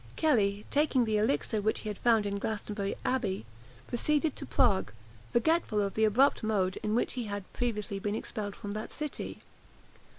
Kelly, taking the elixir which he had found in Glastonbury Abbey, proceeded to Prague, forgetful of the abrupt mode in which he had previously been expelled from that city.